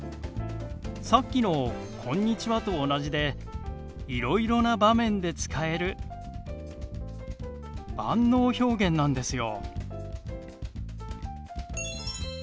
さっきの「こんにちは」と同じでいろいろな場面で使える万能表現なんですよ。